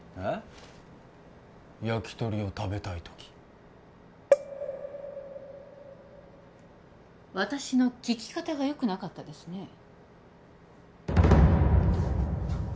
えっやきとりを食べたいとき私の聞き方がよくなかったですね